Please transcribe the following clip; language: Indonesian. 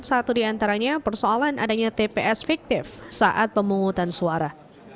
satu di antaranya persoalan adanya tps fiktif saat pemungutan suara